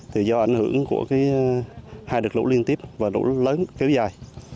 thì do ảnh hưởng của hai đợt lũ liên tiếp và lũ lớn kéo dài